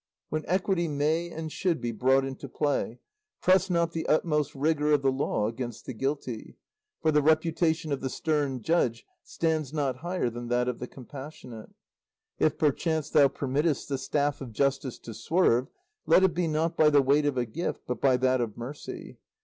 "When equity may and should be brought into play, press not the utmost rigour of the law against the guilty; for the reputation of the stern judge stands not higher than that of the compassionate. "If perchance thou permittest the staff of justice to swerve, let it be not by the weight of a gift, but by that of mercy.